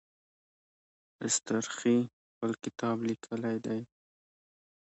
اصطخري خپل کتاب لیکلی دی.